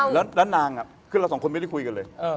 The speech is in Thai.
แล้วนางคือเราสองคนไม่ได้คุยกันเลย